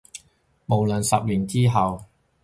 無論十年之後